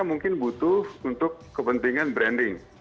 mungkin butuh untuk kepentingan branding